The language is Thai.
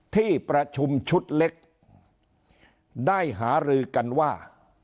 ที่ประชุมชุดเล็กได้หารือกันว่า